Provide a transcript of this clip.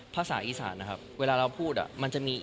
ภาษาอีสานนะครับเวลาเราพูดมันจะมี